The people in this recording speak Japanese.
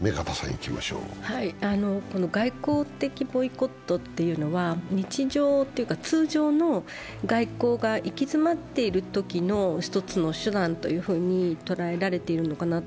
外交的ボイコットというのは、通常の外交が行き詰まっているときの一つの手段と捉えられているのかなと。